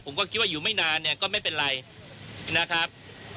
ผมก็คิดว่าอยู่ไม่นานเนี่ยก็ไม่เป็นไรนะครับ